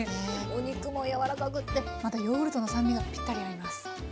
お肉も柔らかくってまたヨーグルトの酸味がピッタリ合います。